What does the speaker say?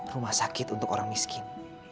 rumah sakit untuk orang miskin